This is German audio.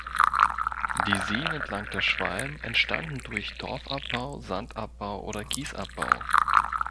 Die Seen entlang der Schwalm entstanden durch Torfabbau, Sandabbau oder Kiesabbau.